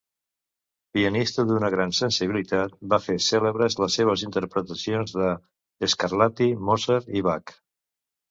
Pianista d'una gran sensibilitat, va fer cèlebres les seves interpretacions de Scarlatti, Mozart i Bach.